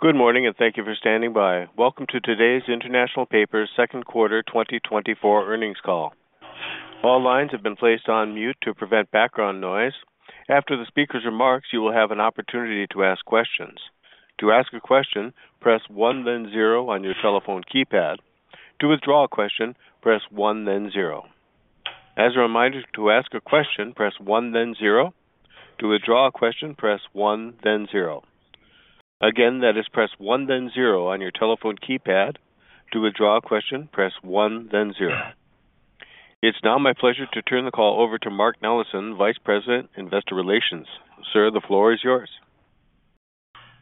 Good morning, and thank you for standing by. Welcome to today's International Paper's second quarter 2024 earnings call. All lines have been placed on mute to prevent background noise. After the speaker's remarks, you will have an opportunity to ask questions. To ask a question, press 1, then 0 on your telephone keypad. To withdraw a question, press 1, then 0. As a reminder, to ask a question, press 1, then 0. To withdraw a question, press 1, then 0. Again, that is press 1, then 0 on your telephone keypad. To withdraw a question, press 1, then 0. It's now my pleasure to turn the call over to Mark Nellessen, Vice President, Investor Relations. Sir, the floor is yours.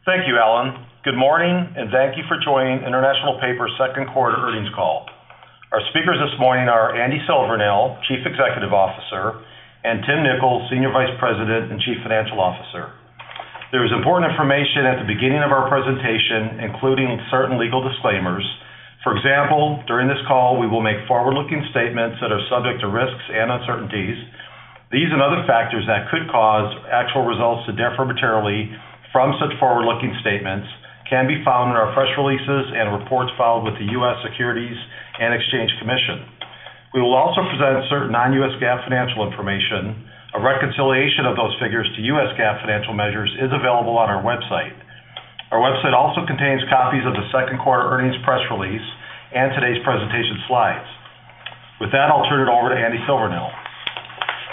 Thank you, Alan. Good morning, and thank you for joining International Paper's second quarter earnings call. Our speakers this morning are Andy Silvernail, Chief Executive Officer, and Tim Nicholls, Senior Vice President and Chief Financial Officer. There is important information at the beginning of our presentation, including certain legal disclaimers. For example, during this call, we will make forward-looking statements that are subject to risks and uncertainties. These and other factors that could cause actual results to differ materially from such forward-looking statements can be found in our press releases and reports filed with the U.S. Securities and Exchange Commission. We will also present certain non-U.S. GAAP financial information. A reconciliation of those figures to U.S. GAAP financial measures is available on our website. Our website also contains copies of the second quarter earnings press release and today's presentation slides. With that, I'll turn it over to Andy Silvernail.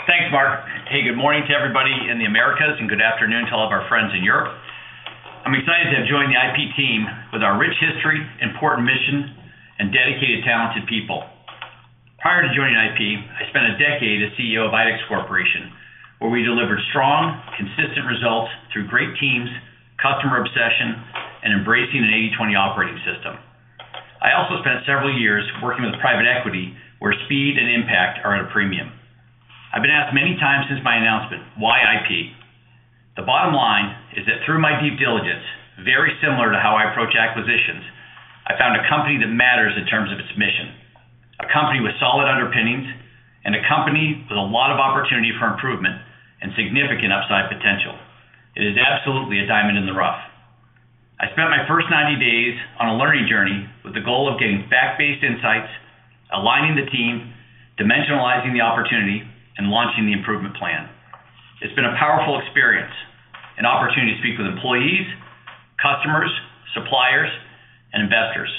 Thanks, Mark. Hey, good morning to everybody in the Americas, and good afternoon to all of our friends in Europe. I'm excited to have joined the IP team with our rich history, important mission, and dedicated, talented people. Prior to joining IP, I spent a decade as CEO of IDEX Corporation, where we delivered strong, consistent results through great teams, customer obsession, and embracing an 80/20 operating system. I also spent several years working with private equity, where speed and impact are at a premium. I've been asked many times since my announcement, "Why IP?" The bottom line is that through my deep diligence, very similar to how I approach acquisitions, I found a company that matters in terms of its mission, a company with solid underpinnings, and a company with a lot of opportunity for improvement and significant upside potential. It is absolutely a diamond in the rough. I spent my first 90 days on a learning journey with the goal of getting fact-based insights, aligning the team, dimensionalizing the opportunity, and launching the improvement plan. It's been a powerful experience, an opportunity to speak with employees, customers, suppliers, and investors.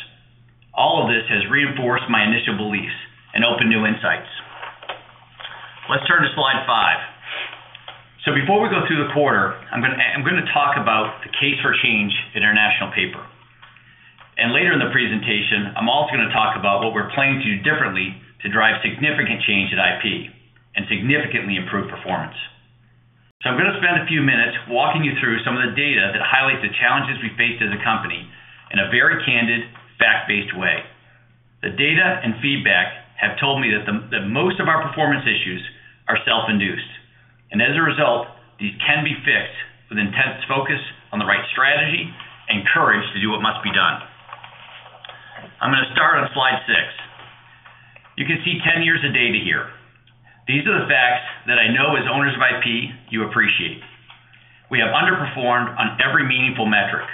All of this has reinforced my initial beliefs and opened new insights. Let's turn to slide five. Before we go through the quarter, I'm going to talk about the case for change at International Paper. Later in the presentation, I'm also going to talk about what we're planning to do differently to drive significant change at IP and significantly improve performance. I'm going to spend a few minutes walking you through some of the data that highlights the challenges we faced as a company in a very candid, fact-based way. The data and feedback have told me that most of our performance issues are self-induced. As a result, these can be fixed with intense focus on the right strategy and courage to do what must be done. I'm going to start on slide six. You can see 10 years of data here. These are the facts that I know as owners of IP you appreciate. We have underperformed on every meaningful metric.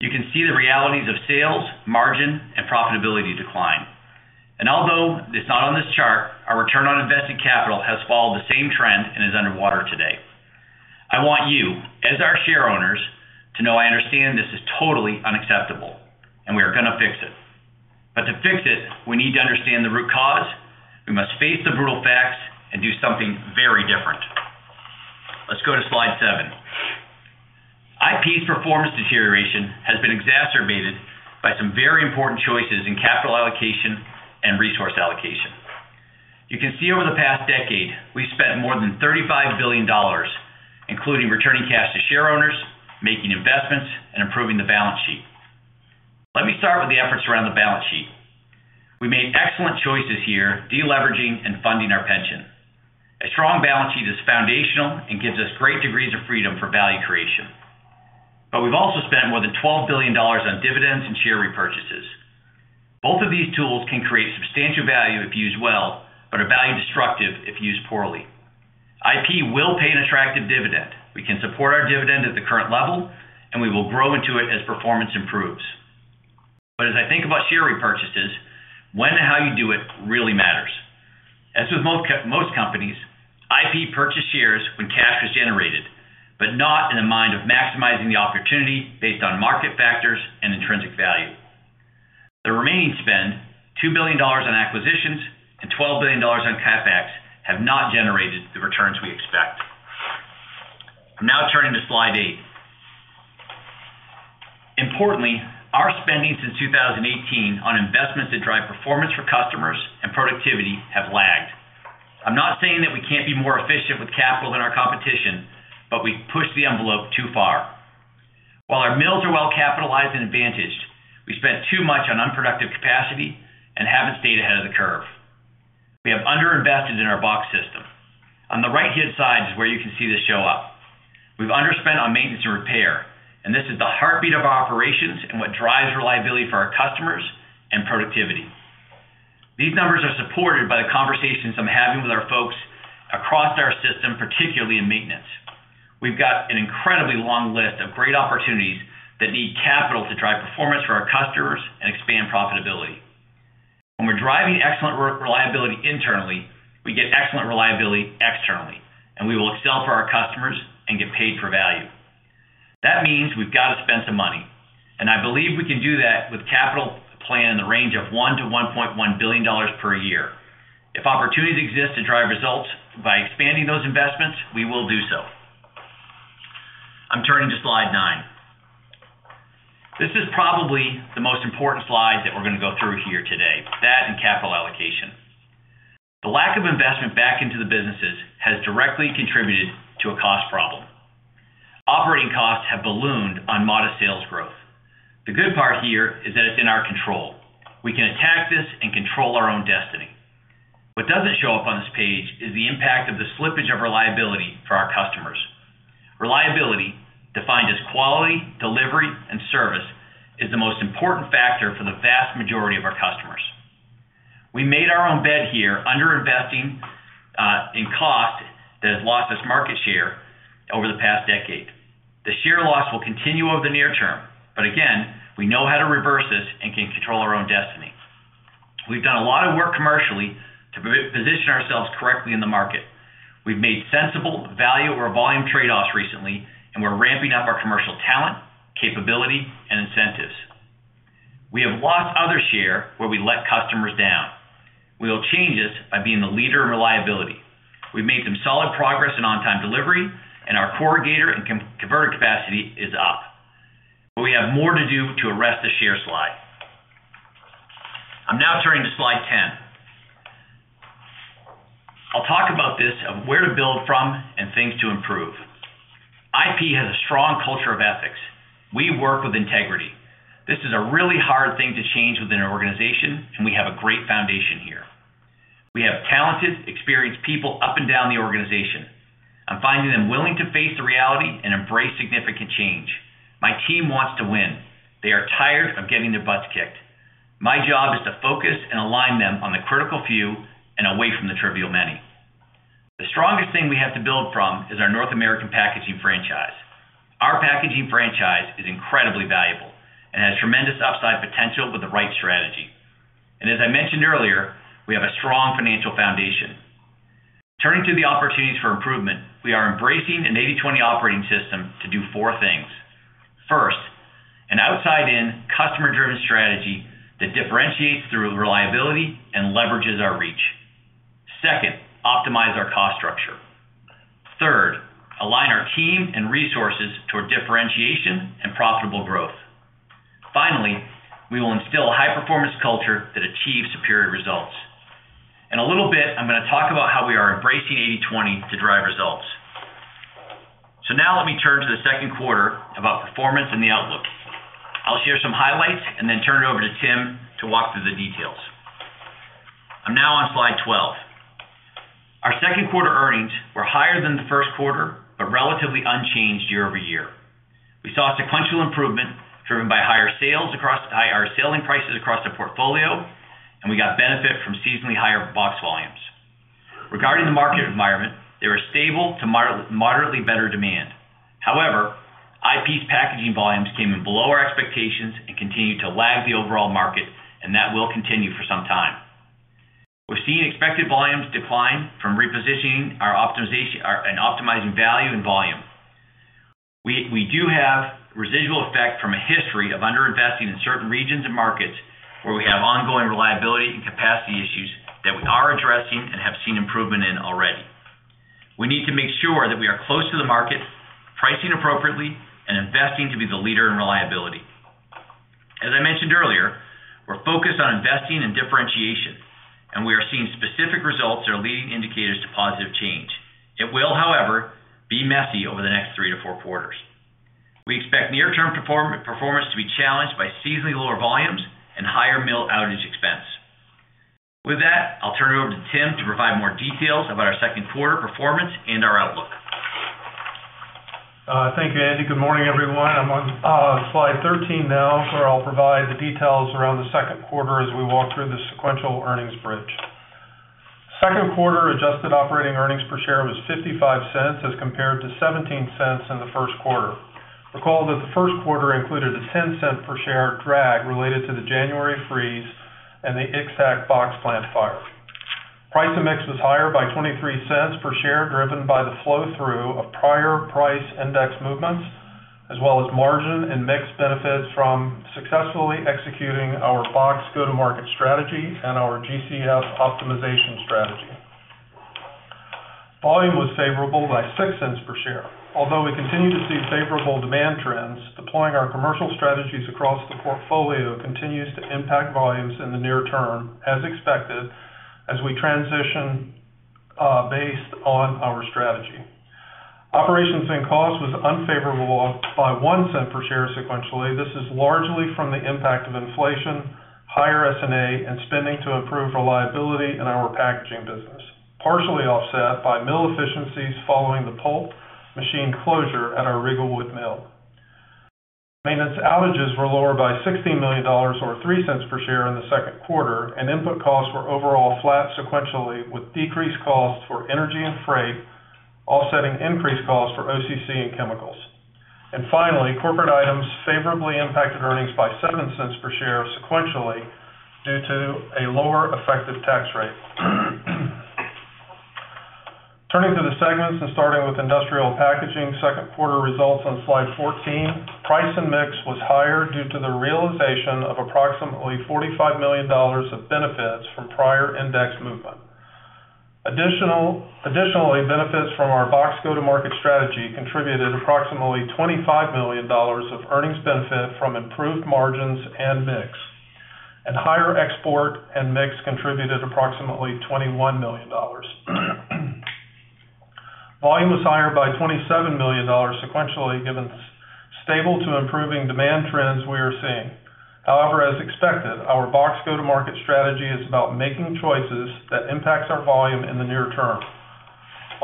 You can see the realities of sales, margin, and profitability decline. Although it's not on this chart, our return on invested capital has followed the same trend and is underwater today. I want you, as our share owners, to know I understand this is totally unacceptable, and we are going to fix it. But to fix it, we need to understand the root cause. We must face the brutal facts and do something very different. Let's go to slide seven. IP's performance deterioration has been exacerbated by some very important choices in capital allocation and resource allocation. You can see over the past decade, we've spent more than $35 billion, including returning cash to share owners, making investments, and improving the balance sheet. Let me start with the efforts around the balance sheet. We made excellent choices here, deleveraging and funding our pension. A strong balance sheet is foundational and gives us great degrees of freedom for value creation. But we've also spent more than $12 billion on dividends and share repurchases. Both of these tools can create substantial value if used well, but are value-destructive if used poorly. IP will pay an attractive dividend. We can support our dividend at the current level, and we will grow into it as performance improves. But as I think about share repurchases, when and how you do it really matters. As with most companies, IP purchased shares when cash was generated, but not in the mind of maximizing the opportunity based on market factors and intrinsic value. The remaining spend, $2 billion on acquisitions and $12 billion on CapEx, have not generated the returns we expect. I'm now turning to slide eight. Importantly, our spending since 2018 on investments that drive performance for customers and productivity have lagged. I'm not saying that we can't be more efficient with capital than our competition, but we've pushed the envelope too far. While our mills are well capitalized and advantaged, we spent too much on unproductive capacity and haven't stayed ahead of the curve. We have underinvested in our box system. On the right-hand side is where you can see this show up. We've underspent on maintenance and repair, and this is the heartbeat of our operations and what drives reliability for our customers and productivity. These numbers are supported by the conversations I'm having with our folks across our system, particularly in maintenance. We've got an incredibly long list of great opportunities that need capital to drive performance for our customers and expand profitability. When we're driving excellent reliability internally, we get excellent reliability externally, and we will excel for our customers and get paid for value. That means we've got to spend some money, and I believe we can do that with capital planned in the range of $1 billion-$1.1 billion per year. If opportunities exist to drive results by expanding those investments, we will do so. I'm turning to slide nine. This is probably the most important slide that we're going to go through here today, that and capital allocation. The lack of investment back into the businesses has directly contributed to a cost problem. Operating costs have ballooned on modest sales growth. The good part here is that it's in our control. We can attack this and control our own destiny. What doesn't show up on this page is the impact of the slippage of reliability for our customers. Reliability, defined as quality, delivery, and service, is the most important factor for the vast majority of our customers. We made our own bet here underinvesting in cost that has lost us market share over the past decade. The share loss will continue over the near term, but again, we know how to reverse this and can control our own destiny. We've done a lot of work commercially to position ourselves correctly in the market. We've made sensible value or volume trade-offs recently, and we're ramping up our commercial talent, capability, and incentives. We have lost other share where we let customers down. We will change this by being the leader in reliability. We've made some solid progress in on-time delivery, and our corrugator and converter capacity is up. But we have more to do to arrest the share slide. I'm now turning to Slide 10. I'll talk about this of where to build from and things to improve. IP has a strong culture of ethics. We work with integrity. This is a really hard thing to change within an organization, and we have a great foundation here. We have talented, experienced people up and down the organization. I'm finding them willing to face the reality and embrace significant change. My team wants to win. They are tired of getting their butts kicked. My job is to focus and align them on the critical few and away from the trivial many. The strongest thing we have to build from is our North American packaging franchise. Our packaging franchise is incredibly valuable and has tremendous upside potential with the right strategy. And as I mentioned earlier, we have a strong financial foundation. Turning to the opportunities for improvement, we are embracing an 80/20 operating system to do four things. First, an outside-in customer-driven strategy that differentiates through reliability and leverages our reach. Second, optimize our cost structure. Third, align our team and resources toward differentiation and profitable growth. Finally, we will instill a high-performance culture that achieves superior results. In a little bit, I'm going to talk about how we are embracing 80/20 to drive results. So now let me turn to the second quarter about performance and the outlook. I'll share some highlights and then turn it over to Tim to walk through the details. I'm now on Slide 12. Our second quarter earnings were higher than the first quarter, but relatively unchanged year-over-year. We saw sequential improvement driven by higher sales across our selling prices across the portfolio, and we got benefit from seasonally higher box volumes. Regarding the market environment, there was stable to moderately better demand. However, IP's packaging volumes came in below our expectations and continued to lag the overall market, and that will continue for some time. We're seeing expected volumes decline from repositioning and optimizing value and volume. We do have residual effect from a history of underinvesting in certain regions and markets where we have ongoing reliability and capacity issues that we are addressing and have seen improvement in already. We need to make sure that we are close to the market, pricing appropriately, and investing to be the leader in reliability. As I mentioned earlier, we're focused on investing and differentiation, and we are seeing specific results that are leading indicators to positive change. It will, however, be messy over the next 3 quarters-4 quarters. We expect near-term performance to be challenged by seasonally lower volumes and higher mill outage expense. With that, I'll turn it over to Tim to provide more details about our second quarter performance and our outlook. Thank you, Andy. Good morning, everyone. I'm on Slide 13 now, where I'll provide the details around the second quarter as we walk through the sequential earnings bridge. Second quarter Adjusted Operating Earnings per Share was $0.55 as compared to $0.17 in the first quarter. Recall that the first quarter included a $0.10 per share drag related to the January freeze and the I-65 box plant fire. Price to mix was higher by $0.23 per share, driven by the flow-through of prior price index movements, as well as margin and mix benefits from successfully executing our Box Go-to-Market Strategy and our GCF optimization strategy. Volume was favorable by $0.06 per share. Although we continue to see favorable demand trends, deploying our commercial strategies across the portfolio continues to impact volumes in the near term, as expected, as we transition based on our strategy. Operations and cost was unfavorable by $0.01 per share sequentially. This is largely from the impact of inflation, higher S&A, and spending to improve reliability in our packaging business, partially offset by mill efficiencies following the pulp machine closure at our Riegelwood mill. Maintenance outages were lower by $16 million or $0.03 per share in the second quarter, and input costs were overall flat sequentially, with decreased costs for energy and freight, offsetting increased costs for OCC and chemicals. And finally, corporate items favorably impacted earnings by $0.07 per share sequentially due to a lower effective tax rate. Turning to the segments and starting with Industrial Packaging, second quarter results on Slide 14. Price and mix was higher due to the realization of approximately $45 million of benefits from prior index movement. Additionally, benefits from our Box Go-to-Market Strategy contributed approximately $25 million of earnings benefit from improved margins and mix. Higher export and mix contributed approximately $21 million. Volume was higher by $27 million sequentially, given stable to improving demand trends we are seeing. However, as expected, our Box Go-to-Market Strategy is about making choices that impact our volume in the near term.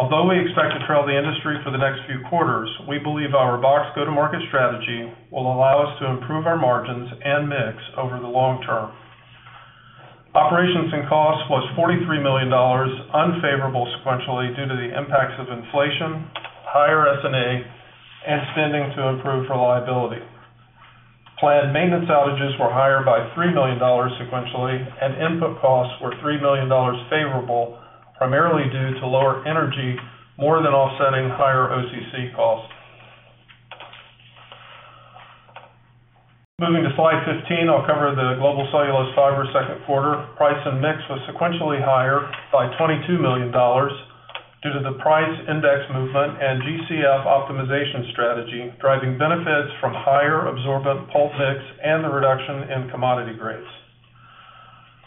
Although we expect to trail the industry for the next few quarters, we believe our Box Go-to-Market Strategy will allow us to improve our margins and mix over the long term. Operations and cost was $43 million, unfavorable sequentially due to the impacts of inflation, higher S&A, and spending to improve reliability. Planned maintenance outages were higher by $3 million sequentially, and input costs were $3 million favorable, primarily due to lower energy more than offsetting higher OCC cost. Moving to Slide 15, I'll cover the Global Cellulose Fibers second quarter. Price and mix was sequentially higher by $22 million due to the price index movement and GCF optimization strategy, driving benefits from higher absorbent pulp mix and the reduction in commodity grades.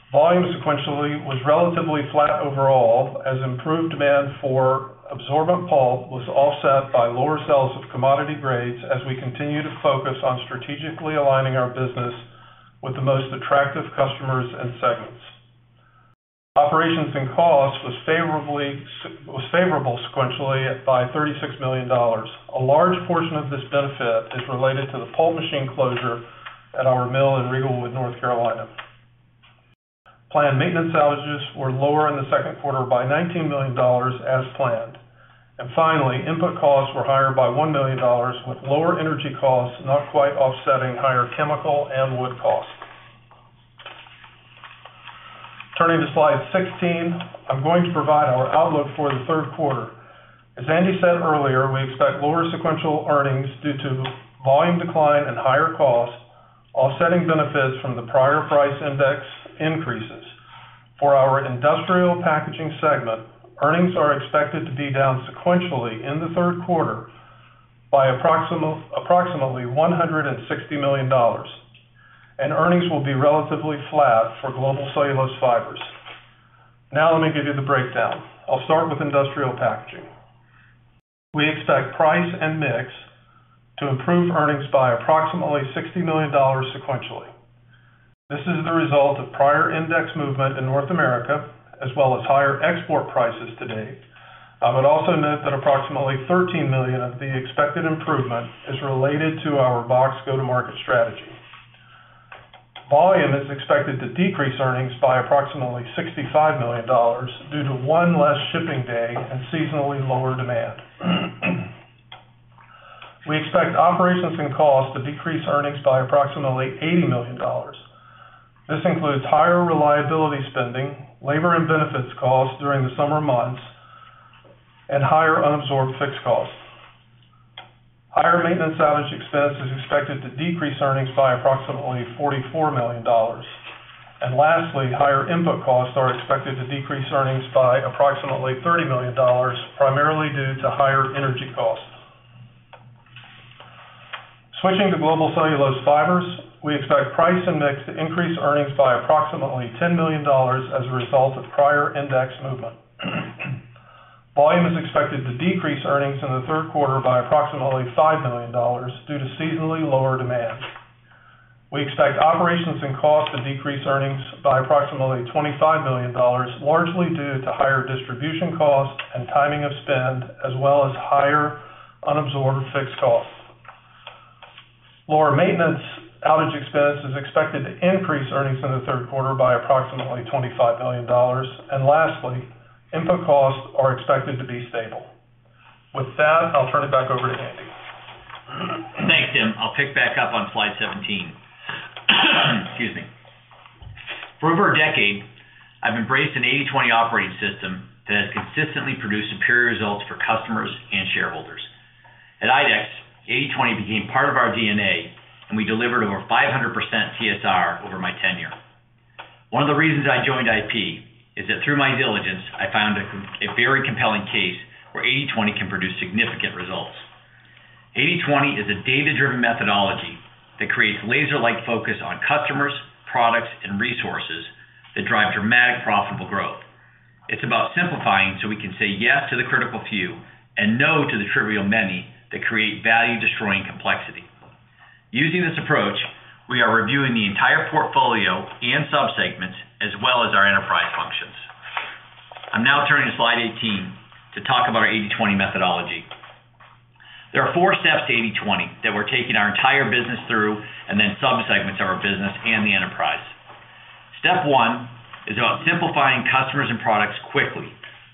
Volume sequentially was relatively flat overall, as improved demand for absorbent pulp was offset by lower sales of commodity grades as we continue to focus on strategically aligning our business with the most attractive customers and segments. Operations and cost was favorable sequentially by $36 million. A large portion of this benefit is related to the pulp machine closure at our mill in Riegelwood, North Carolina. Planned maintenance outages were lower in the second quarter by $19 million, as planned. And finally, input costs were higher by $1 million, with lower energy costs not quite offsetting higher chemical and wood costs. Turning to Slide 16, I'm going to provide our outlook for the third quarter. As Andy said earlier, we expect lower sequential earnings due to volume decline and higher costs, offsetting benefits from the prior price index increases. For our Industrial Packaging segment, earnings are expected to be down sequentially in the third quarter by approximately $160 million. Earnings will be relatively flat for Global Cellulose Fibers. Now let me give you the breakdown. I'll start with Industrial Packaging. We expect price and mix to improve earnings by approximately $60 million sequentially. This is the result of prior index movement in North America, as well as higher export prices today. I would also note that approximately $13 million of the expected improvement is related to our Box Go-to-Market Strategy. Volume is expected to decrease earnings by approximately $65 million due to one less shipping day and seasonally lower demand. We expect operations and costs to decrease earnings by approximately $80 million. This includes higher reliability spending, labor and benefits costs during the summer months, and higher unabsorbed fixed costs. Higher maintenance outage expense is expected to decrease earnings by approximately $44 million. Lastly, higher input costs are expected to decrease earnings by approximately $30 million, primarily due to higher energy costs. Switching to Global Cellulose Fibers, we expect price and mix to increase earnings by approximately $10 million as a result of prior index movement. Volume is expected to decrease earnings in the third quarter by approximately $5 million due to seasonally lower demand. We expect operations and costs to decrease earnings by approximately $25 million, largely due to higher distribution costs and timing of spend, as well as higher unabsorbed fixed costs. Lower maintenance outage expense is expected to increase earnings in the third quarter by approximately $25 million. And lastly, input costs are expected to be stable. With that, I'll turn it back over to Andy. Thanks, Tim. I'll pick back up on Slide 17. Excuse me. For over a decade, I've embraced an 80/20 operating system that has consistently produced superior results for customers and shareholders. At IDEX, 80/20 became part of our DNA, and we delivered over 500% TSR over my tenure. One of the reasons I joined IP is that through my diligence, I found a very compelling case where 80/20 can produce significant results. 80/20 is a data-driven methodology that creates laser-like focus on customers, products, and resources that drive dramatic profitable growth. It's about simplifying so we can say yes to the critical few and no to the trivial many that create value-destroying complexity. Using this approach, we are reviewing the entire portfolio and subsegments, as well as our enterprise functions. I'm now turning to Slide 18 to talk about our 80/20 methodology. There are four steps to 80/20 that we're taking our entire business through and then subsegments of our business and the enterprise. Step one is about simplifying customers and products quickly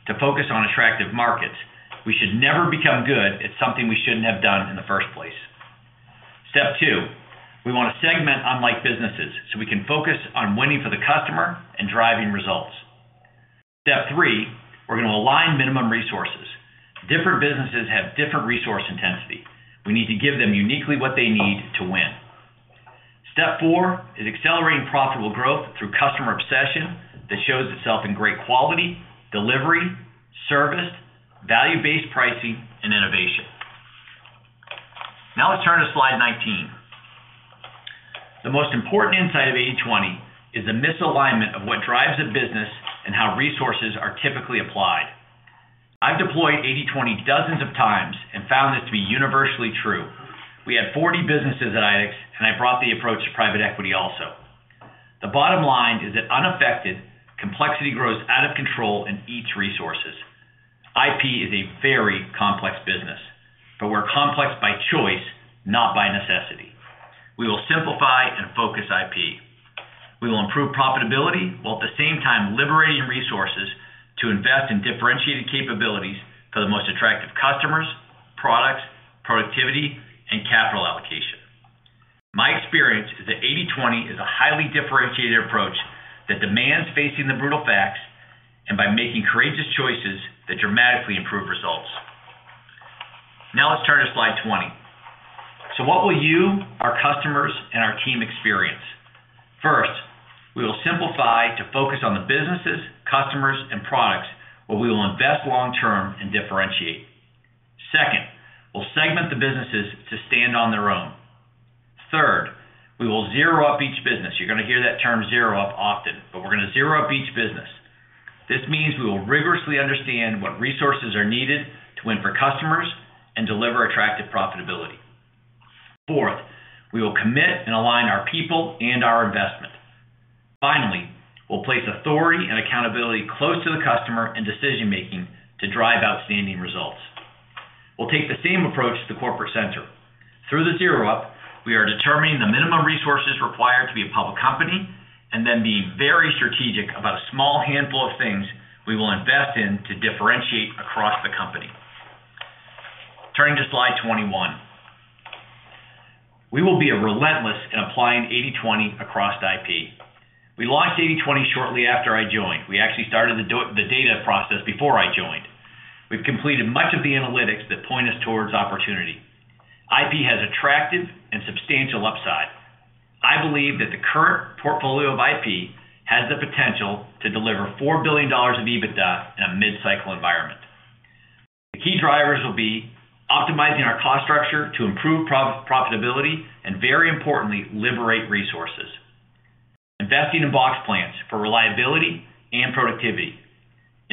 to focus on attractive markets. We should never become good at something we shouldn't have done in the first place. Step two, we want to segment unlike businesses so we can focus on winning for the customer and driving results. Step three, we're going to align minimum resources. Different businesses have different resource intensity. We need to give them uniquely what they need to win. Step four is accelerating profitable growth through customer obsession that shows itself in great quality, delivery, service, value-based pricing, and innovation. Now let's turn to Slide 19. The most important insight of 80/20 is the misalignment of what drives a business and how resources are typically applied. I've deployed 80/20 dozens of times and found this to be universally true. We had 40 businesses at IDEX, and I brought the approach to private equity also. The bottom line is that unaffected, complexity grows out of control and eats resources. IP is a very complex business, but we're complex by choice, not by necessity. We will simplify and focus IP. We will improve profitability while at the same time liberating resources to invest in differentiated capabilities for the most attractive customers, products, productivity, and capital allocation. My experience is that 80/20 is a highly differentiated approach that demands facing the brutal facts and by making courageous choices that dramatically improve results. Now let's turn to Slide 20. So what will you, our customers, and our team experience? First, we will simplify to focus on the businesses, customers, and products, but we will invest long-term and differentiate. Second, we'll segment the businesses to stand on their own. Third, we will Zero Up each business. You're going to hear that term Zero Up often, but we're going to Zero Up each business. This means we will rigorously understand what resources are needed to win for customers and deliver attractive profitability. Fourth, we will commit and align our people and our investment. Finally, we'll place authority and accountability close to the customer and decision-making to drive outstanding results. We'll take the same approach to the corporate center. Through the Zero-Up, we are determining the minimum resources required to be a public company and then being very strategic about a small handful of things we will invest in to differentiate across the company. Turning to Slide 21, we will be relentless in applying 80/20 across IP. We launched 80/20 shortly after I joined. We actually started the data process before I joined. We've completed much of the analytics that point us towards opportunity. IP has attractive and substantial upside. I believe that the current portfolio of IP has the potential to deliver $4 billion of EBITDA in a mid-cycle environment. The key drivers will be optimizing our cost structure to improve profitability and, very importantly, liberate resources. Investing in box plants for reliability and productivity.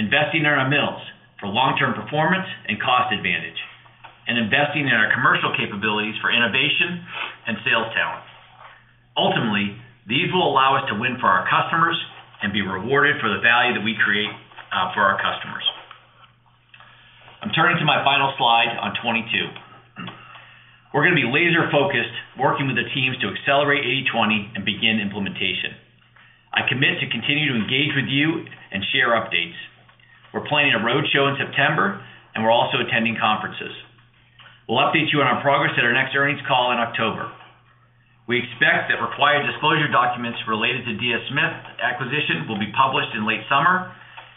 Investing in our mills for long-term performance and cost advantage. And investing in our commercial capabilities for innovation and sales talent. Ultimately, these will allow us to win for our customers and be rewarded for the value that we create for our customers. I'm turning to my final slide on 22. We're going to be laser-focused working with the teams to accelerate 80/20 and begin implementation. I commit to continue to engage with you and share updates. We're planning a roadshow in September, and we're also attending conferences. We'll update you on our progress at our next earnings call in October. We expect that required disclosure documents related to DS Smith acquisition will be published in late summer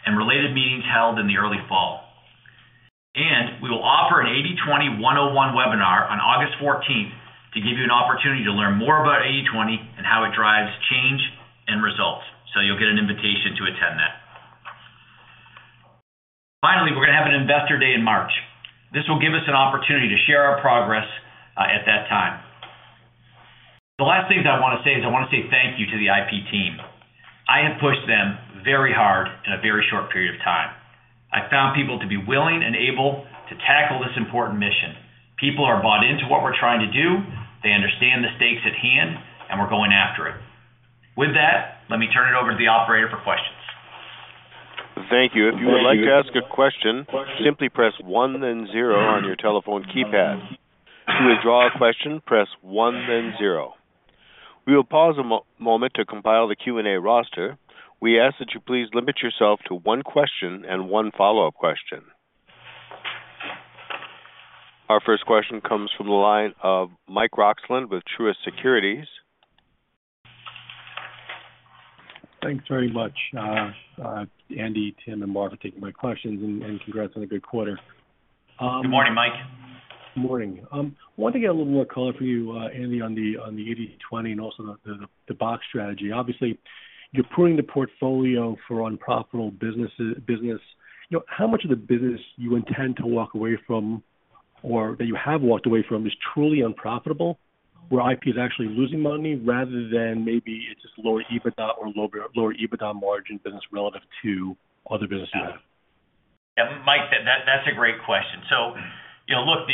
and related meetings held in the early fall. We will offer an 80/20 101 webinar on August 14th to give you an opportunity to learn more about 80/20 and how it drives change and results. So you'll get an invitation to attend that. Finally, we're going to have an investor day in March. This will give us an opportunity to share our progress at that time. The last things I want to say is I want to say thank you to the IP team. I have pushed them very hard in a very short period of time. I found people to be willing and able to tackle this important mission. People are bought into what we're trying to do. They understand the stakes at hand, and we're going after it. With that, let me turn it over to the operator for questions. Thank you. If you would like to ask a question, simply press one then zero on your telephone keypad. To withdraw a question, press one then zero. We will pause a moment to compile the Q&A roster. We ask that you please limit yourself to one question and one follow-up question. Our first question comes from the line of Mike Roxland with Truist Securities. Thanks very much, Andy, Tim, and Mark for taking my questions and congrats on a good quarter. Good morning, Mike. Morning. I wanted to get a little more color from you, Andy, on the 80/20 and also the box strategy. Obviously, you're pruning the portfolio for unprofitable business. How much of the business you intend to walk away from or that you have walked away from is truly unprofitable where IP is actually losing money rather than maybe it's just lower EBITDA or lower EBITDA margin business relative to other businesses? Yeah. Mike, that's a great question. So look,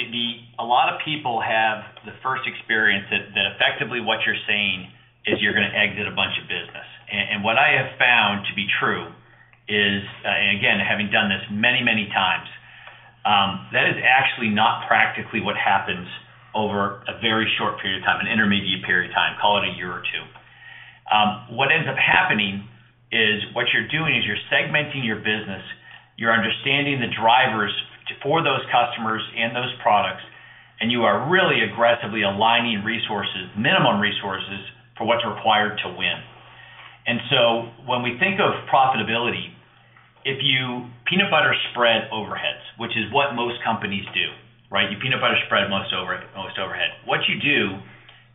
a lot of people have the first experience that effectively what you're saying is you're going to exit a bunch of business. And what I have found to be true is, and again, having done this many, many times, that is actually not practically what happens over a very short period of time, an intermediate period of time, call it a year or two. What ends up happening is what you're doing is you're segmenting your business, you're understanding the drivers for those customers and those products, and you are really aggressively aligning resources, minimum resources for what's required to win. And so when we think of profitability, if you peanut butter spread overheads, which is what most companies do, right? You peanut butter spread most overhead. What you do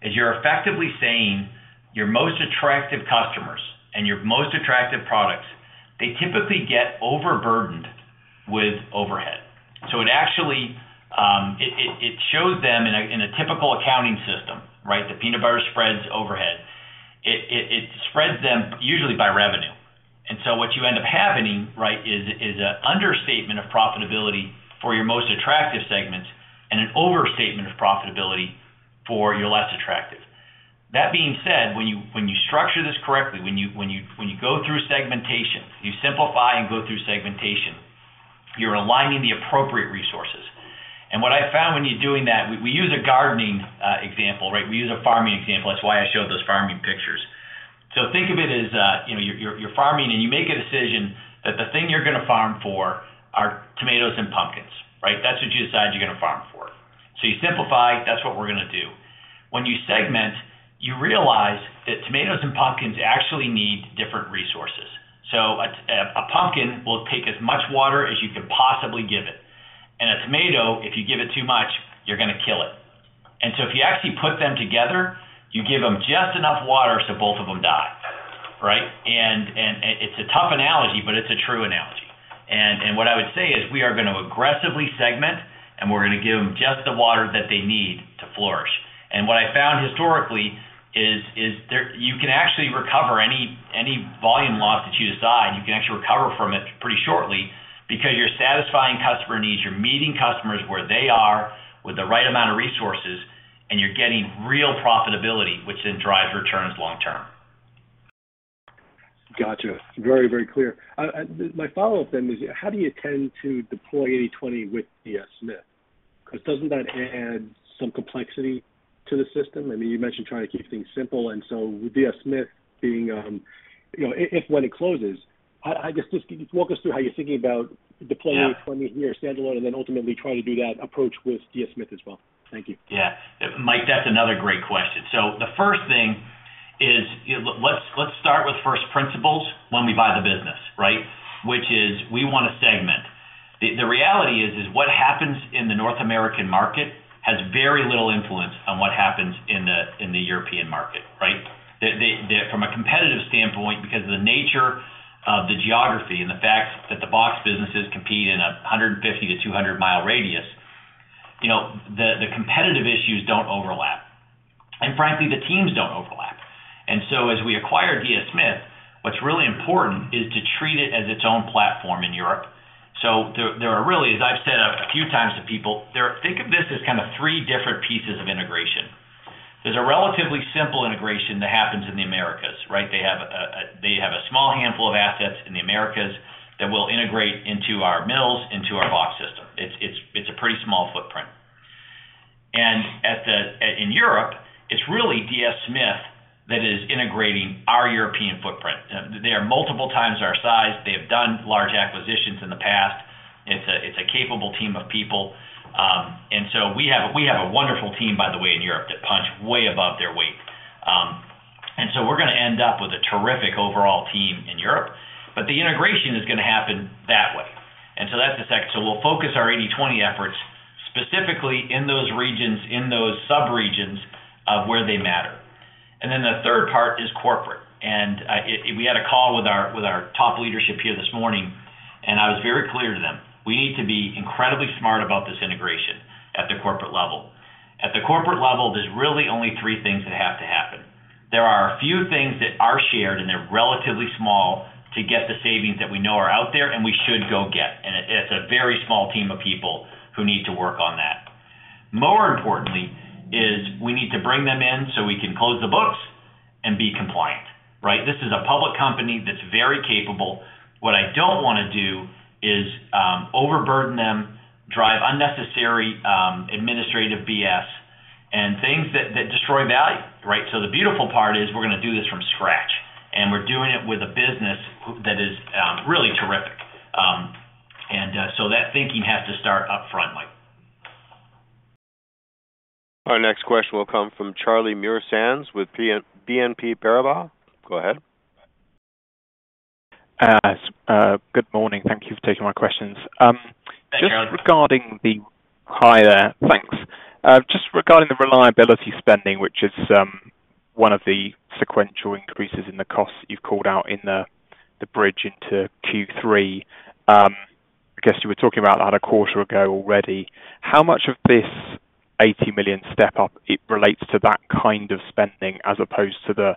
is you're effectively saying your most attractive customers and your most attractive products, they typically get overburdened with overhead. So it shows them in a typical accounting system, right? The peanut butter spreads overhead. It spreads them usually by revenue. And so what you end up having, right, is an understatement of profitability for your most attractive segments and an overstatement of profitability for your less attractive. That being said, when you structure this correctly, when you go through segmentation, you simplify and go through segmentation, you're aligning the appropriate resources. And what I found when you're doing that, we use a gardening example, right? We use a farming example. That's why I showed those farming pictures. So think of it as you're farming and you make a decision that the thing you're going to farm for are tomatoes and pumpkins, right? That's what you decide you're going to farm for. So you simplify, that's what we're going to do. When you segment, you realize that tomatoes and pumpkins actually need different resources. So a pumpkin will take as much water as you can possibly give it. And a tomato, if you give it too much, you're going to kill it. And so if you actually put them together, you give them just enough water so both of them die, right? And it's a tough analogy, but it's a true analogy. And what I would say is we are going to aggressively segment, and we're going to give them just the water that they need to flourish. And what I found historically is you can actually recover any volume loss that you decide. You can actually recover from it pretty shortly because you're satisfying customer needs, you're meeting customers where they are with the right amount of resources, and you're getting real profitability, which then drives returns long-term. Gotcha. Very, very clear. My follow-up then is, how do you tend to deploy 80/20 with DS Smith? Because doesn't that add some complexity to the system? I mean, you mentioned trying to keep things simple. And so with DS Smith, if when it closes, I guess just walk us through how you're thinking about deploying 80/20 here standalone and then ultimately trying to do that approach with DS Smith as well. Thank you. Yeah. Mike, that's another great question. So the first thing is let's start with first principles when we buy the business, right? Which is we want to segment. The reality is what happens in the North American market has very little influence on what happens in the European market, right? From a competitive standpoint, because of the nature of the geography and the fact that the box businesses compete in a 150-200-mile radius, the competitive issues don't overlap. And frankly, the teams don't overlap. And so as we acquire DS Smith, what's really important is to treat it as its own platform in Europe. So there are really, as I've said a few times to people, think of this as kind of three different pieces of integration. There's a relatively simple integration that happens in the Americas, right? They have a small handful of assets in the Americas that will integrate into our mills, into our box system. It's a pretty small footprint. And in Europe, it's really DS Smith that is integrating our European footprint. They are multiple times our size. They have done large acquisitions in the past. It's a capable team of people. And so we have a wonderful team, by the way, in Europe that punch way above their weight. And so we're going to end up with a terrific overall team in Europe, but the integration is going to happen that way. And so that's the second. So we'll focus our 80/20 efforts specifically in those regions, in those subregions of where they matter. And then the third part is corporate. We had a call with our top leadership here this morning, and I was very clear to them, we need to be incredibly smart about this integration at the corporate level. At the corporate level, there's really only three things that have to happen. There are a few things that are shared, and they're relatively small to get the savings that we know are out there, and we should go get. It's a very small team of people who need to work on that. More importantly is we need to bring them in so we can close the books and be compliant, right? This is a public company that's very capable. What I don't want to do is overburden them, drive unnecessary administrative BS, and things that destroy value, right? So the beautiful part is we're going to do this from scratch, and we're doing it with a business that is really terrific. And so that thinking has to start upfront, Mike. Our next question will come from Charlie Muir-Sands with BNP Paribas. Go ahead. Good morning. Thank you for taking my questions. Thank you, Alex. Just regarding the reliability spending, which is one of the sequential increases in the costs that you've called out in the bridge into Q3, I guess you were talking about that a quarter ago already. How much of this $80 million step-up relates to that kind of spending as opposed to the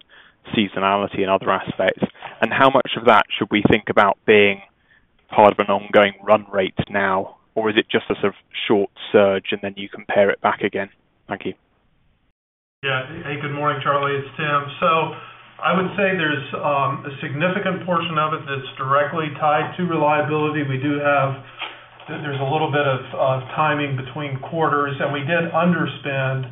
seasonality and other aspects? And how much of that should we think about being part of an ongoing run rate now, or is it just a sort of short surge and then you compare it back again? Thank you. Yeah. Hey, good morning, Charlie. It's Tim. So I would say there's a significant portion of it that's directly tied to reliability. We do have a little bit of timing between quarters, and we did underspend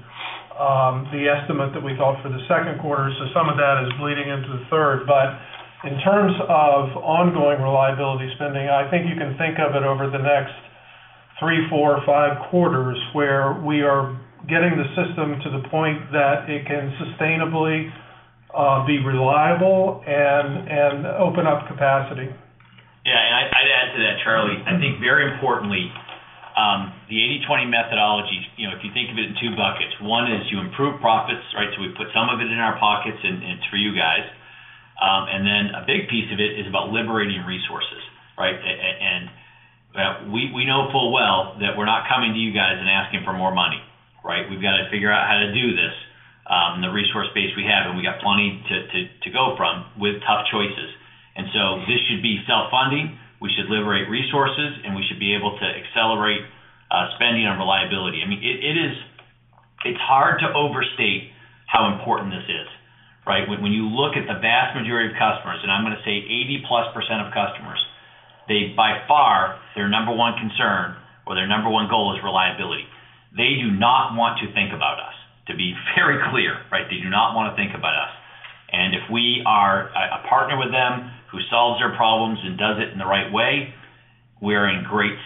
the estimate that we thought for the second quarter. So some of that is bleeding into the third. But in terms of ongoing reliability spending, I think you can think of it over the next three, four, or five quarters where we are getting the system to the point that it can sustainably be reliable and open up capacity. Yeah. And I'd add to that, Charlie. I think very importantly, the 80/20 methodology, if you think of it in two buckets, one is to improve profits, right? So we put some of it in our pockets, and it's for you guys. And then a big piece of it is about liberating resources, right? And we know full well that we're not coming to you guys and asking for more money, right? We've got to figure out how to do this in the resource base we have, and we got plenty to go from with tough choices. And so this should be self-funding. We should liberate resources, and we should be able to accelerate spending on reliability. I mean, it's hard to overstate how important this is, right? When you look at the vast majority of customers, and I'm going to say 80+% of customers, they by far, their number one concern or their number one goal is reliability. They do not want to think about us, to be very clear, right? They do not want to think about us. And if we are a partner with them who solves their problems and does it in the right way, we're in a great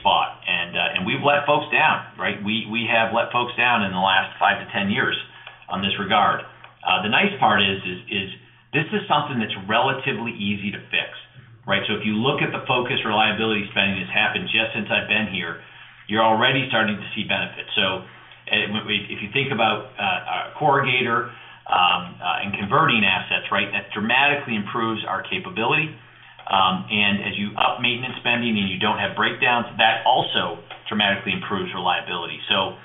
spot. And we've let folks down, right? We have let folks down in the last 5-10 years on this regard. The nice part is this is something that's relatively easy to fix, right? So if you look at the focus reliability spending that's happened just since I've been here, you're already starting to see benefits. So if you think about corrugator and converting assets, right, that dramatically improves our capability. And as you up maintenance spending and you don't have breakdowns, that also dramatically improves reliability. So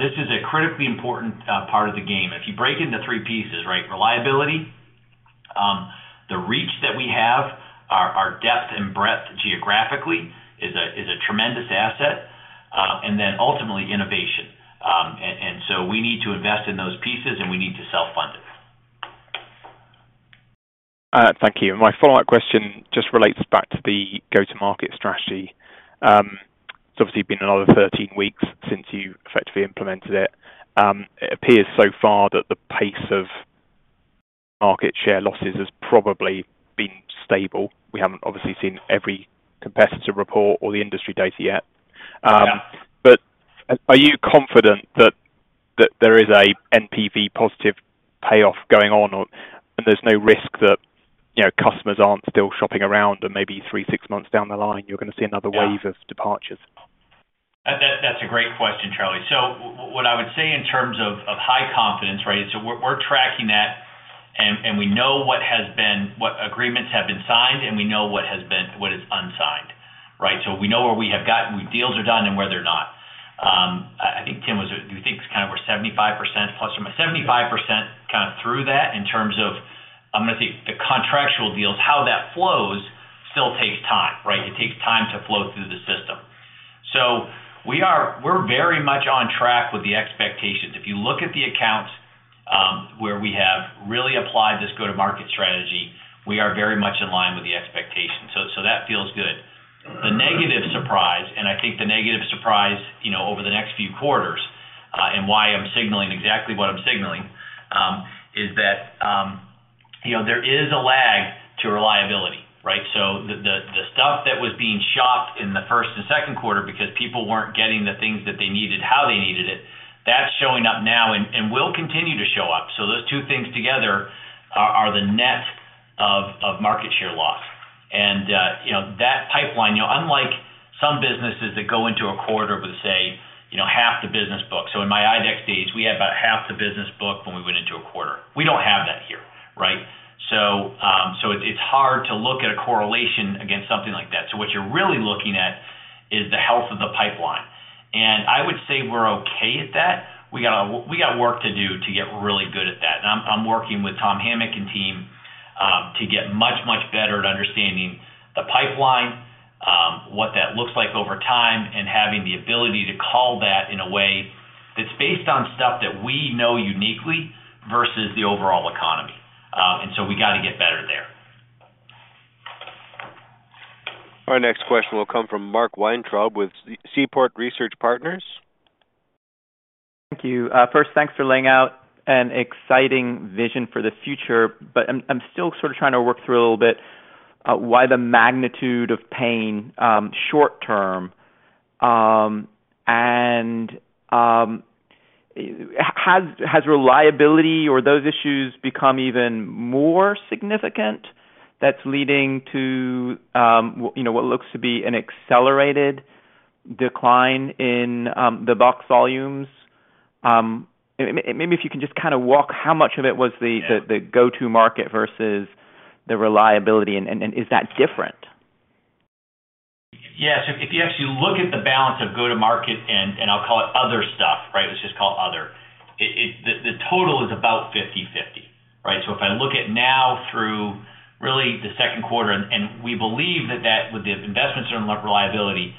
this is a critically important part of the game. And if you break into three pieces, right, reliability, the reach that we have, our depth and breadth geographically is a tremendous asset, and then ultimately innovation. And so we need to invest in those pieces, and we need to self-fund it. Thank you. My follow-up question just relates back to the go-to-market strategy. It's obviously been another 13 weeks since you effectively implemented it. It appears so far that the pace of market share losses has probably been stable. We haven't obviously seen every competitor report or the industry data yet. But are you confident that there is a NPV positive payoff going on and there's no risk that customers aren't still shopping around and maybe 3, 6 months down the line, you're going to see another wave of departures? That's a great question, Charlie. So what I would say in terms of high confidence, right, so we're tracking that, and we know what agreements have been signed, and we know what is unsigned, right? So we know where we have gotten deals are done and where they're not. I think Tim was do you think it's kind of where 75%+ or -75% kind of through that in terms of, I'm going to say, the contractual deals, how that flows still takes time, right? It takes time to flow through the system. So we're very much on track with the expectations. If you look at the accounts where we have really applied this go-to-market strategy, we are very much in line with the expectations. So that feels good. The negative surprise, and I think the negative surprise over the next few quarters, and why I'm signaling exactly what I'm signaling, is that there is a lag to reliability, right? So the stuff that was being shopped in the first and second quarter because people weren't getting the things that they needed how they needed it, that's showing up now and will continue to show up. So those two things together are the net of market share loss. And that pipeline, unlike some businesses that go into a quarter with, say, half the business book. So in my IDEX days, we had about half the business book when we went into a quarter. We don't have that here, right? So it's hard to look at a correlation against something like that. So what you're really looking at is the health of the pipeline. I would say we're okay at that. We got work to do to get really good at that. I'm working with Tom Hamic and team to get much, much better at understanding the pipeline, what that looks like over time, and having the ability to call that in a way that's based on stuff that we know uniquely versus the overall economy. So we got to get better there. Our next question will come from Mark Weintraub with Seaport Research Partners. Thank you. First, thanks for laying out an exciting vision for the future, but I'm still sort of trying to work through a little bit why the magnitude of pain short-term and has reliability or those issues become even more significant that's leading to what looks to be an accelerated decline in the box volumes. Maybe if you can just kind of walk how much of it was the go-to-market versus the reliability, and is that different? Yeah. So if you actually look at the balance of go-to-market and I'll call it other stuff, right? Let's just call it other. The total is about 50/50, right? So if I look at now through really the second quarter, and we believe that with the investments in reliability,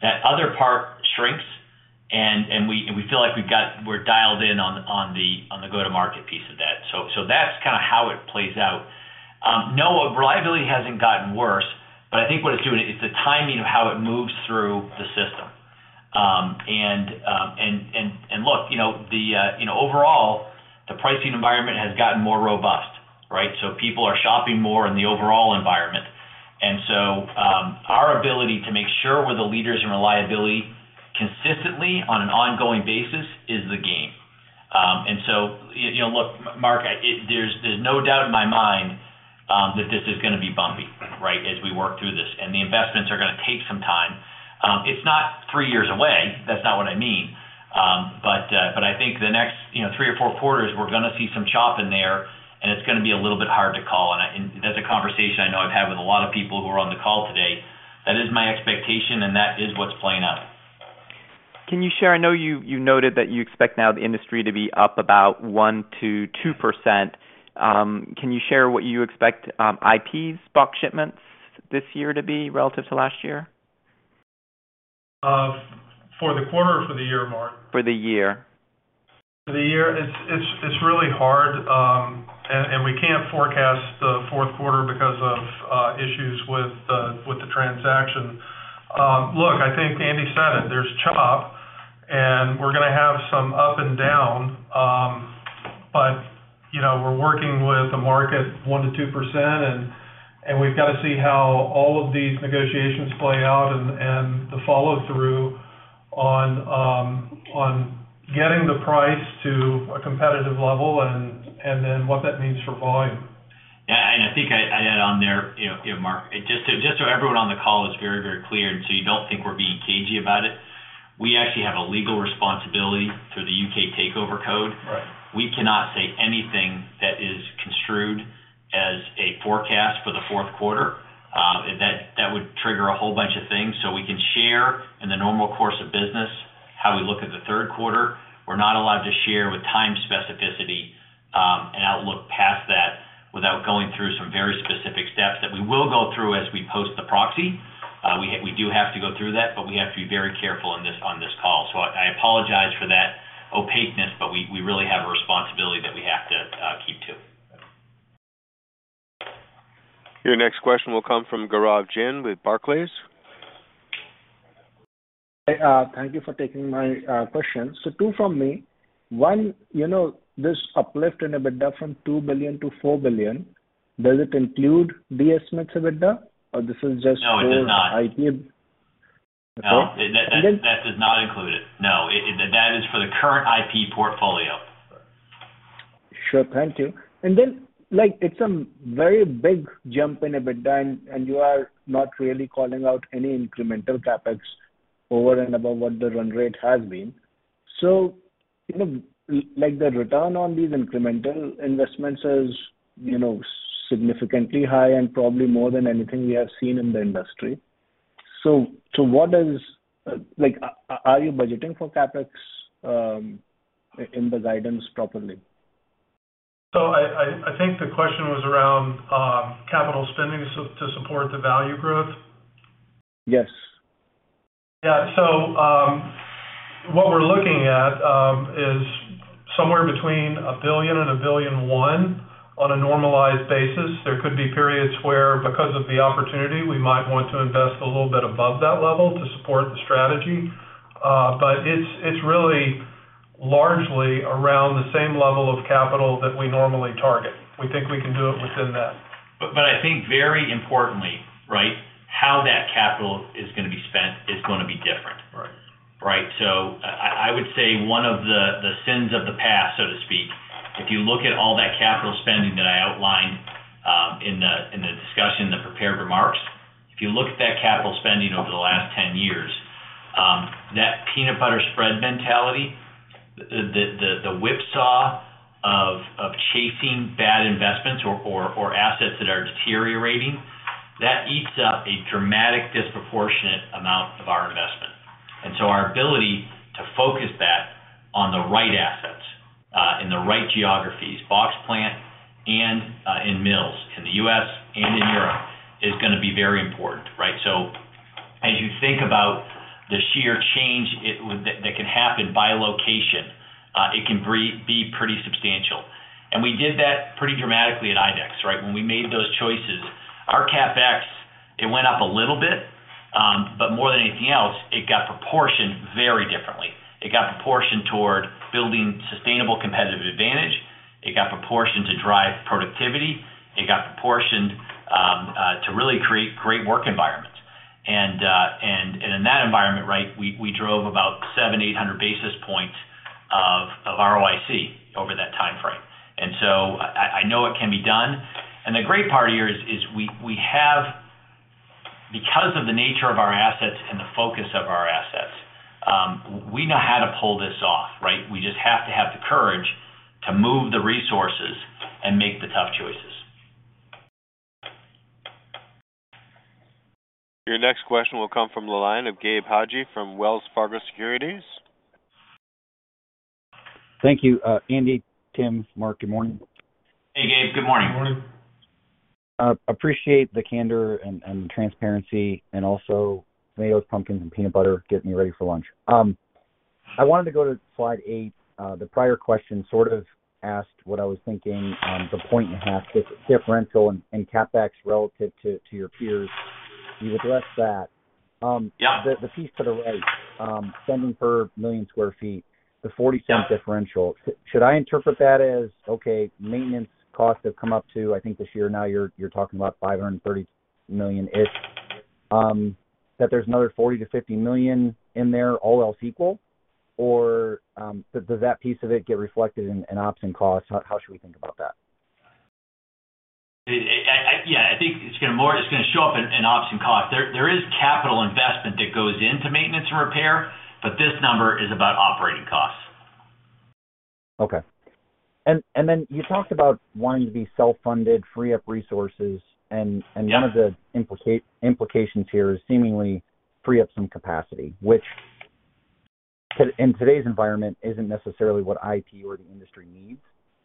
that other part shrinks, and we feel like we're dialed in on the go-to-market piece of that. So that's kind of how it plays out. No, reliability hasn't gotten worse, but I think what it's doing is the timing of how it moves through the system. And look, overall, the pricing environment has gotten more robust, right? So people are shopping more in the overall environment. And so our ability to make sure we're the leaders in reliability consistently on an ongoing basis is the game. And so look, Mark, there's no doubt in my mind that this is going to be bumpy, right, as we work through this. And the investments are going to take some time. It's not three years away. That's not what I mean. But I think the next three or four quarters, we're going to see some chop in there, and it's going to be a little bit hard to call. And that's a conversation I know I've had with a lot of people who are on the call today. That is my expectation, and that is what's playing out. Can you share? I know you noted that you expect now the industry to be up about 1%-2%. Can you share what you expect IP's box shipments this year to be relative to last year? For the quarter or for the year, Mark? For the year. For the year, it's really hard, and we can't forecast the fourth quarter because of issues with the transaction. Look, I think Andy said it. There's chop, and we're going to have some up and down, but we're working with the market 1%-2%, and we've got to see how all of these negotiations play out and the follow-through on getting the price to a competitive level and then what that means for volume. Yeah. And I think I add on there, Mark, just so everyone on the call is very, very clear, and so you don't think we're being cagey about it. We actually have a legal responsibility through the U.K. takeover code. We cannot say anything that is construed as a forecast for the fourth quarter. That would trigger a whole bunch of things. So we can share in the normal course of business how we look at the third quarter. We're not allowed to share with time specificity and outlook past that without going through some very specific steps that we will go through as we post the proxy. We do have to go through that, but we have to be very careful on this call. So I apologize for that opaqueness, but we really have a responsibility that we have to keep to. Your next question will come from Gaurav Jain with Barclays. Thank you for taking my question. So two from me. One, this uplift in EBITDA from $2 billion-$4 billion, does it include the estimates of EBITDA or this is just for IP? No, it does not. No? That does not include it. No, that is for the current IP portfolio. Sure. Thank you. And then it's a very big jump in EBITDA, and you are not really calling out any incremental CapEx over and above what the run rate has been. So the return on these incremental investments is significantly high and probably more than anything we have seen in the industry. So what are you budgeting for CapEx in the guidance properly? I think the question was around capital spending to support the value growth. Yes. Yeah. So what we're looking at is somewhere between $1 billion and $1.1 billion on a normalized basis. There could be periods where, because of the opportunity, we might want to invest a little bit above that level to support the strategy. But it's really largely around the same level of capital that we normally target. We think we can do it within that. But I think very importantly, right, how that capital is going to be spent is going to be different, right? So I would say one of the sins of the past, so to speak, if you look at all that capital spending that I outlined in the discussion, the prepared remarks, if you look at that capital spending over the last 10 years, that peanut butter spread mentality, the whipsaw of chasing bad investments or assets that are deteriorating, that eats up a dramatic disproportionate amount of our investment. And so our ability to focus that on the right assets in the right geographies, box plant and in mills in the U.S. and in Europe is going to be very important, right? So as you think about the sheer change that can happen by location, it can be pretty substantial. And we did that pretty dramatically at IDEX, right? When we made those choices, our CapEx, it went up a little bit, but more than anything else, it got proportioned very differently. It got proportioned toward building sustainable competitive advantage. It got proportioned to drive productivity. It got proportioned to really create great work environments. And in that environment, right, we drove about 7,800 basis points of ROIC over that timeframe. And so I know it can be done. And the great part here is we have, because of the nature of our assets and the focus of our assets, we know how to pull this off, right? We just have to have the courage to move the resources and make the tough choices. Your next question will come from the line of Gabe Hajde from Wells Fargo Securities. Thank you. Andy, Tim, Mark, good morning. Hey, Gabe. Good morning. Good morning. Appreciate the candor and transparency and also tomatoes, pumpkins, and peanut butter getting me ready for lunch. I wanted to go to slide 8. The prior question sort of asked what I was thinking on the 1.5 differential in CapEx relative to your peers. You've addressed that. The piece to the right, spending per million square feet, the $0.40 differential, should I interpret that as, okay, maintenance costs have come up to, I think this year now you're talking about $530 million-ish, that there's another $40 million-$50 million in there, all else equal? Or does that piece of it get reflected in ops and cost? How should we think about that? Yeah. I think it's going to show up in ops and cost. There is capital investment that goes into maintenance and repair, but this number is about operating costs. Okay. And then you talked about wanting to be self-funded, free up resources, and one of the implications here is seemingly free up some capacity, which in today's environment isn't necessarily what IP or the industry needs.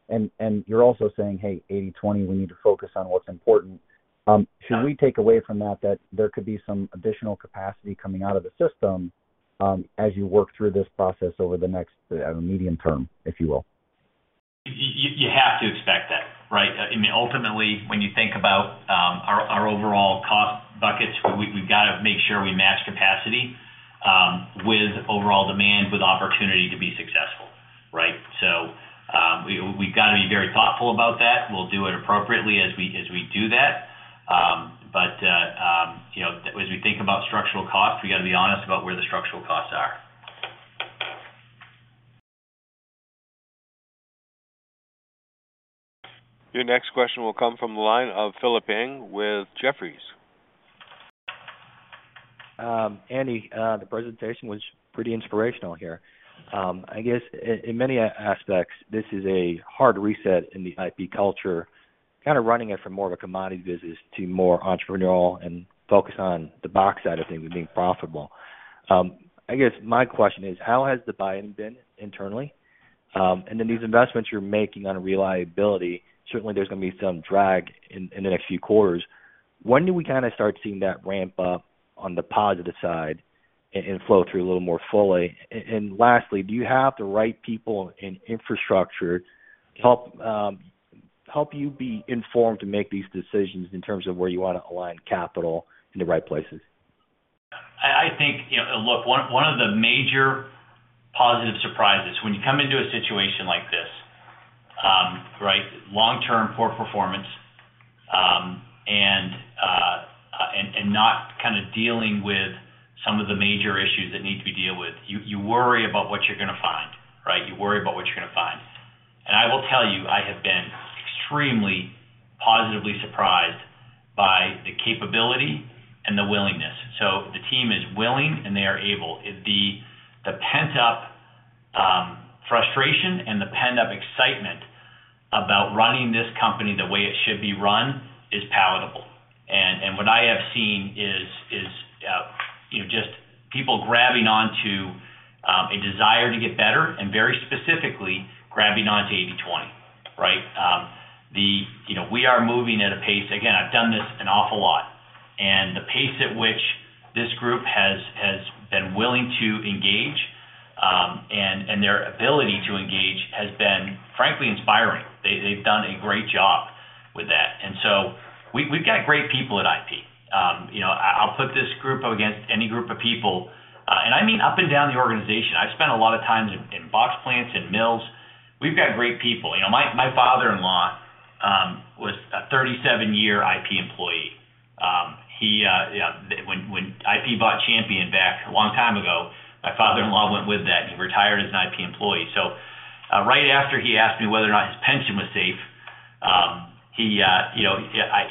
And you're also saying, "Hey, 80/20, we need to focus on what's important." Should we take away from that that there could be some additional capacity coming out of the system as you work through this process over the next medium term, if you will? You have to expect that, right? I mean, ultimately, when you think about our overall cost buckets, we've got to make sure we match capacity with overall demand with opportunity to be successful, right? So we've got to be very thoughtful about that. We'll do it appropriately as we do that. But as we think about structural costs, we got to be honest about where the structural costs are. Your next question will come from the line of Philip Ng with Jefferies. Andy, the presentation was pretty inspirational here. I guess in many aspects, this is a hard reset in the IP culture, kind of running it from more of a commodity business to more entrepreneurial and focus on the box side of things and being profitable. I guess my question is, how has the buying been internally? And then these investments you're making on reliability, certainly there's going to be some drag in the next few quarters. When do we kind of start seeing that ramp up on the positive side and flow through a little more fully? And lastly, do you have the right people and infrastructure to help you be informed to make these decisions in terms of where you want to align capital in the right places? I think, look, one of the major positive surprises, when you come into a situation like this, right, long-term poor performance and not kind of dealing with some of the major issues that need to be dealt with, you worry about what you're going to find, right? You worry about what you're going to find. I will tell you, I have been extremely positively surprised by the capability and the willingness. So the team is willing, and they are able. The pent-up frustration and the pent-up excitement about running this company the way it should be run is palatable. And what I have seen is just people grabbing onto a desire to get better and very specifically grabbing onto 80/20, right? We are moving at a pace again, I've done this an awful lot. And the pace at which this group has been willing to engage and their ability to engage has been, frankly, inspiring. They've done a great job with that. And so we've got great people at IP. I'll put this group against any group of people. And I mean up and down the organization. I've spent a lot of time in box plants and mills. We've got great people. My father-in-law was a 37-year IP employee. When IP bought Champion back a long time ago, my father-in-law went with that, and he retired as an IP employee. So right after he asked me whether or not his pension was safe,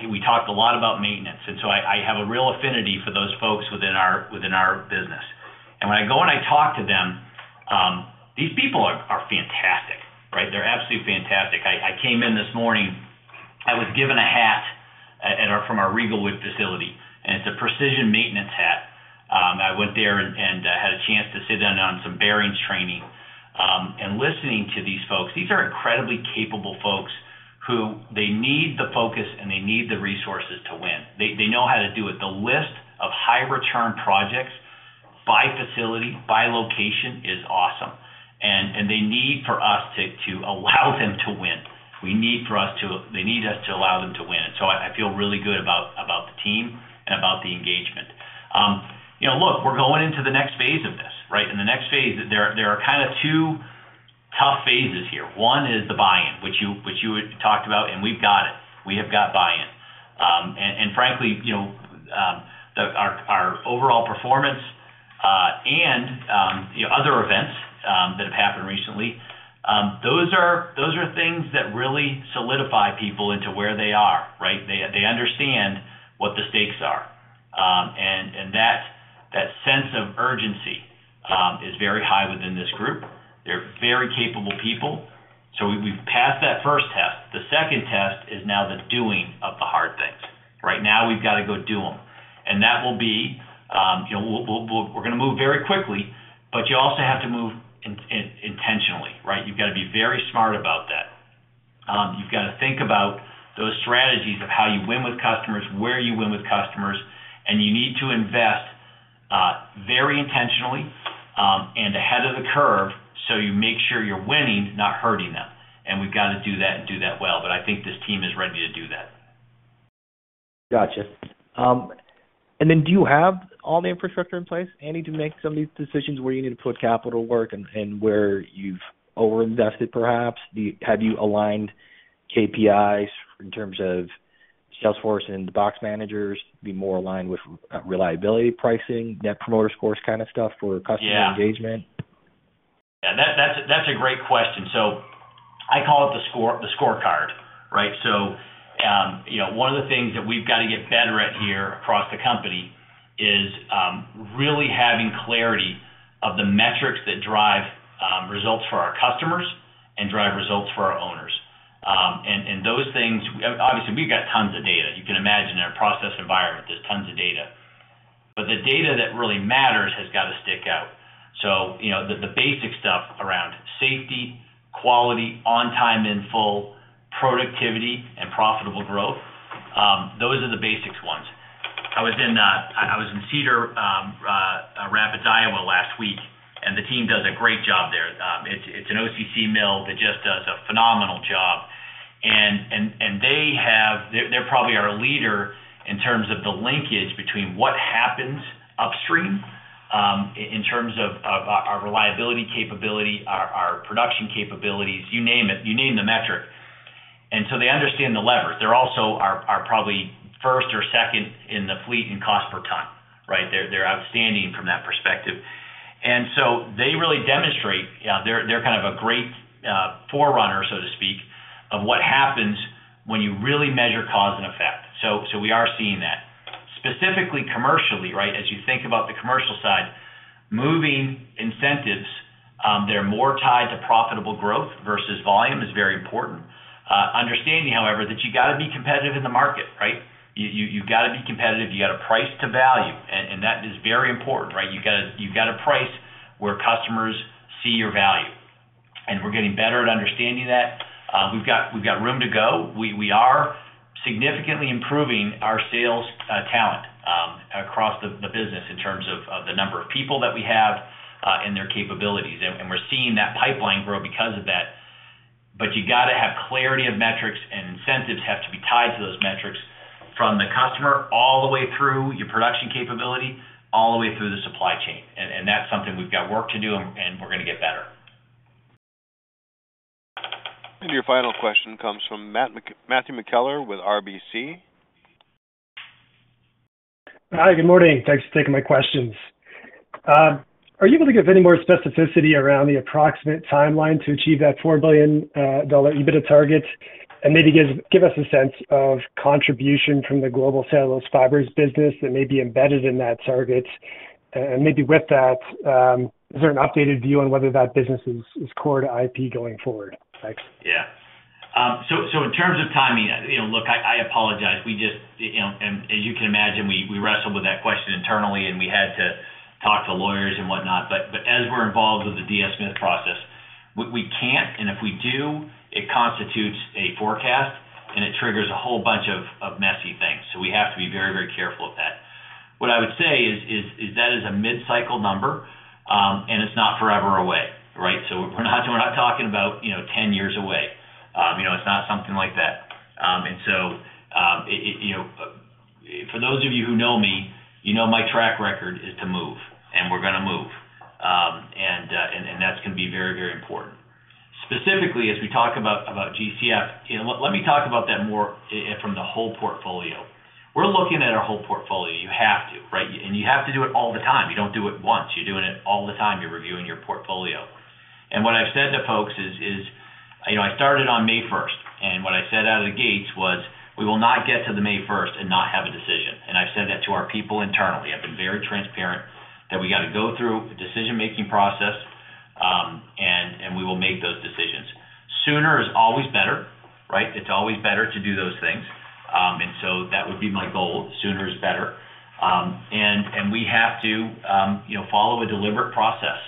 we talked a lot about maintenance. And so I have a real affinity for those folks within our business. And when I go and I talk to them, these people are fantastic, right? They're absolutely fantastic. I came in this morning. I was given a hat from our Riegelwood facility, and it's a precision maintenance hat. I went there and had a chance to sit in on some bearings training. And listening to these folks, these are incredibly capable folks who they need the focus and they need the resources to win. They know how to do it. The list of high-return projects by facility, by location is awesome. And they need for us to allow them to win. We need for us to they need us to allow them to win. And so I feel really good about the team and about the engagement. Look, we're going into the next phase of this, right? In the next phase, there are kind of two tough phases here. One is the buy-in, which you talked about, and we've got it. We have got buy-in. And frankly, our overall performance and other events that have happened recently, those are things that really solidify people into where they are, right? They understand what the stakes are. And that sense of urgency is very high within this group. They're very capable people. So we've passed that first test. The second test is now the doing of the hard things, right? Now we've got to go do them. And that will be we're going to move very quickly, but you also have to move intentionally, right? You've got to be very smart about that. You've got to think about those strategies of how you win with customers, where you win with customers, and you need to invest very intentionally and ahead of the curve so you make sure you're winning, not hurting them. And we've got to do that and do that well. But I think this team is ready to do that. Gotcha. And then do you have all the infrastructure in place? Andy, to make some of these decisions where you need to put capital work and where you've overinvested, perhaps? Have you aligned KPIs in terms of sales force and the box managers to be more aligned with reliability pricing, Net Promoter Scores kind of stuff for customer engagement? Yeah. That's a great question. So I call it the scorecard, right? So one of the things that we've got to get better at here across the company is really having clarity of the metrics that drive results for our customers and drive results for our owners. And those things, obviously, we've got tons of data. You can imagine in a process environment, there's tons of data. But the data that really matters has got to stick out. So the basic stuff around safety, quality, on time and full, productivity, and profitable growth, those are the basic ones. I was in Cedar Rapids, Iowa, last week, and the team does a great job there. It's an OCC mill that just does a phenomenal job. They're probably our leader in terms of the linkage between what happens upstream in terms of our reliability capability, our production capabilities, you name it, you name the metric. So they understand the levers. They're also probably first or second in the fleet and cost per ton, right? They're outstanding from that perspective. So they really demonstrate they're kind of a great forerunner, so to speak, of what happens when you really measure cause and effect. So we are seeing that. Specifically commercially, right, as you think about the commercial side, moving incentives, they're more tied to profitable growth versus volume is very important. Understanding, however, that you got to be competitive in the market, right? You've got to be competitive. You got to price to value. And that is very important, right? You've got to price where customers see your value. And we're getting better at understanding that. We've got room to go. We are significantly improving our sales talent across the business in terms of the number of people that we have and their capabilities. And we're seeing that pipeline grow because of that. But you got to have clarity of metrics, and incentives have to be tied to those metrics from the customer all the way through your production capability, all the way through the supply chain. And that's something we've got work to do, and we're going to get better. Your final question comes from Matthew McKellar with RBC. Hi, good morning. Thanks for taking my questions. Are you able to give any more specificity around the approximate timeline to achieve that $4 billion EBITDA target? And maybe give us a sense of contribution from the Global Cellulose Fibers business that may be embedded in that target. And maybe with that, is there an updated view on whether that business is core to IP going forward? Yeah. So in terms of timing, look, I apologize. And as you can imagine, we wrestled with that question internally, and we had to talk to lawyers and whatnot. But as we're involved with the DS Smith process, we can't, and if we do, it constitutes a forecast, and it triggers a whole bunch of messy things. So we have to be very, very careful of that. What I would say is that is a mid-cycle number, and it's not forever away, right? So we're not talking about 10 years away. It's not something like that. And so for those of you who know me, you know my track record is to move, and we're going to move. And that's going to be very, very important. Specifically, as we talk about GCF, let me talk about that more from the whole portfolio. We're looking at our whole portfolio. You have to, right? And you have to do it all the time. You don't do it once. You're doing it all the time. You're reviewing your portfolio. And what I've said to folks is I started on May 1st, and what I said out of the gates was, "We will not get to the May 1st and not have a decision." And I've said that to our people internally. I've been very transparent that we got to go through a decision-making process, and we will make those decisions. Sooner is always better, right? It's always better to do those things. And so that would be my goal. Sooner is better. And we have to follow a deliberate process.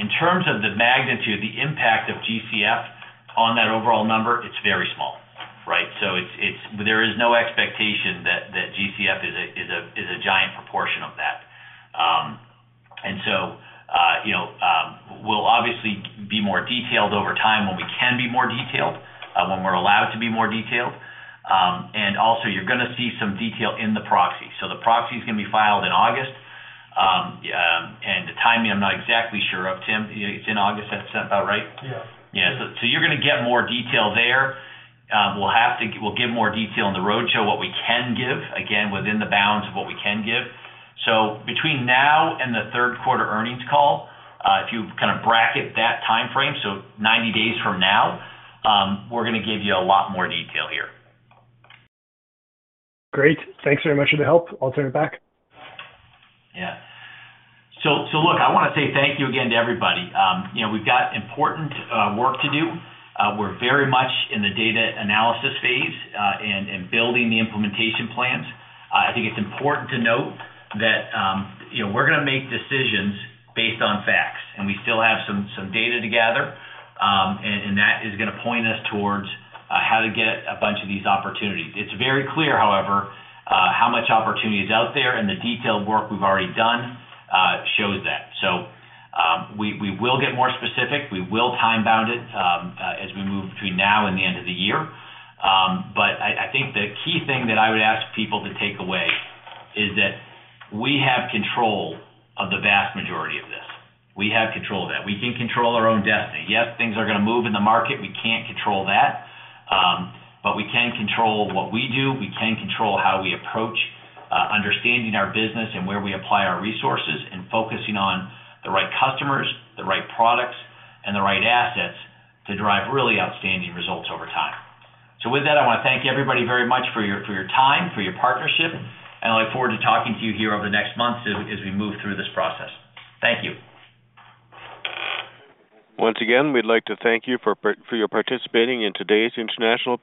In terms of the magnitude, the impact of GCF on that overall number, it's very small, right? So there is no expectation that GCF is a giant proportion of that. And so we'll obviously be more detailed over time when we can be more detailed, when we're allowed to be more detailed. And also, you're going to see some detail in the proxy. So the proxy is going to be filed in August. And the timing, I'm not exactly sure of, Tim. It's in August, that sound about right? Yeah. Yeah. So you're going to get more detail there. We'll give more detail in the roadshow, what we can give, again, within the bounds of what we can give. So between now and the third quarter earnings call, if you kind of bracket that timeframe, so 90 days from now, we're going to give you a lot more detail here. Great. Thanks very much for the help. I'll turn it back. Yeah. So look, I want to say thank you again to everybody. We've got important work to do. We're very much in the data analysis phase and building the implementation plans. I think it's important to note that we're going to make decisions based on facts, and we still have some data to gather. That is going to point us towards how to get a bunch of these opportunities. It's very clear, however, how much opportunity is out there, and the detailed work we've already done shows that. We will get more specific. We will time-bound it as we move between now and the end of the year. But I think the key thing that I would ask people to take away is that we have control of the vast majority of this. We have control of that. We can control our own destiny. Yes, things are going to move in the market. We can't control that. But we can control what we do. We can control how we approach understanding our business and where we apply our resources and focusing on the right customers, the right products, and the right assets to drive really outstanding results over time. So with that, I want to thank everybody very much for your time, for your partnership. And I look forward to talking to you here over the next months as we move through this process. Thank you. Once again, we'd like to thank you for participating in today's International Paper.